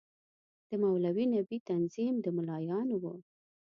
د مولوي نبي تنظیم د ملايانو وو.